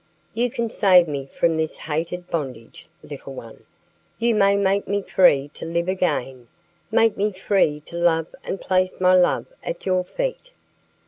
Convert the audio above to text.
You can save me from this hated bondage, little one. You can make me free to live again, make me free to love and place my love at your feet."